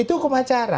itu hukum acara